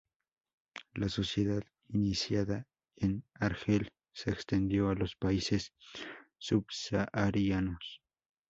La sociedad iniciada en Argel se extendió a los países subsaharianos.